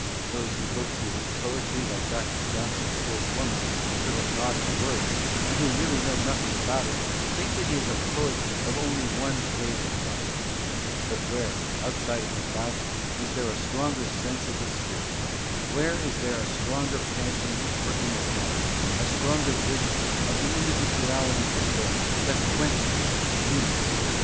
Those who look through his poetry like Dr. Johnson's old worn naughty words, and who really know nothing about it, think that he is a poet only of one phase of life ; but where outside of the Bible is there a stronger sense r is there a stronger passion for imm a stronger vision of the individuality of the soul, the quench less human soul